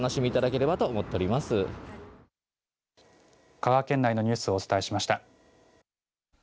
香川県内のニュースをお伝えしました。